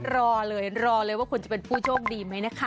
รอเลยรอเลยว่าคุณจะเป็นผู้โชคดีไหมนะคะ